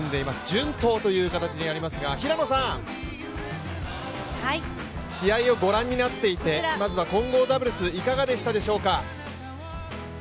順当という形になりますが平野さん試合をご覧になっていてまずは混合ダブルスいかがでしたでしょうか。